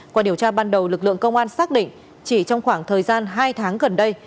qua điều tra ban đầu lực lượng công an xác định chỉ trong khoảng thời gian hai tháng gần đây